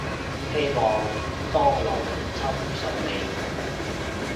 希望當勞侵順利